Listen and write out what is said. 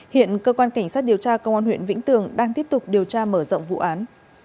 hiện cơ quan cảnh sát điều tra công an huyện vĩnh tường đang tiếp tục điều tra mở rộng vụ án